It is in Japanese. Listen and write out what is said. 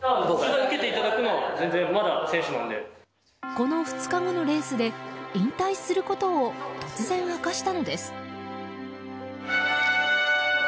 この２日後のレースで引退することを突然明かしたのです。